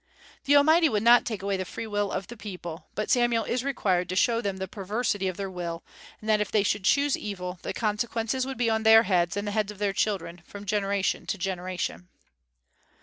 The Almighty would not take away the free will of the people; but Samuel is required to show them the perversity of their will, and that if they should choose evil the consequences would be on their heads and the heads of their children, from generation to generation.